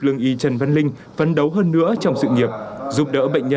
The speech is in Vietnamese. lương y trần văn linh là một lương y có tích cực trong phong trào khám chữa bệnh nhân